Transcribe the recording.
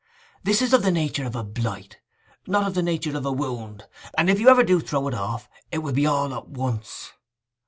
This is of the nature of a blight, not of the nature of a wound; and if you ever do throw it off; it will be all at once.